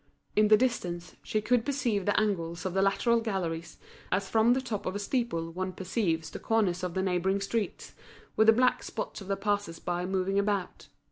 In the distance, she could perceive the angles of the lateral galleries, as from the top of a steeple one perceives the corners of the neighbouring streets, with the black spots of the passers by moving about.